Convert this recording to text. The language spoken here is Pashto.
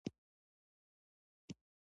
پر خاصو خلکو او حوزو ونه ویشل شي.